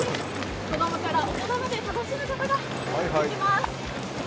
子供から大人まで楽しむことができます。